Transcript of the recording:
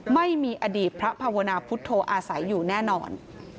ไม่มีอดีตพระภาวนาพุทธโธอาศัยอยู่แน่นอน